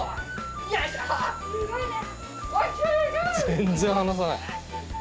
全然離さない。